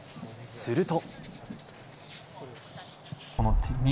すると。